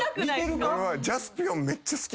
ジャスピオンめっちゃ好き。